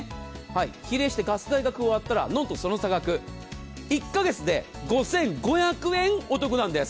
比例してガス代が加わったらなんとその差額、１か月で５５００円お得なんです。